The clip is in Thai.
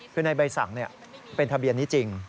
คือในใบสั่งเป็นทะเบียนนี้จริง